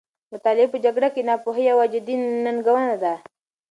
د مطالعې په جګړه کې، ناپوهي یوه جدي ننګونه ده.